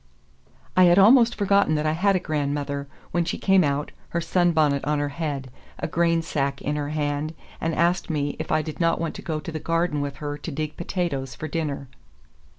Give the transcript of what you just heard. I had almost forgotten that I had a grandmother, when she came out, her sunbonnet on her head, a grain sack in her hand, and asked me if I did not want to go to the garden with her to dig potatoes for dinner.